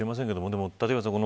でも立岩さん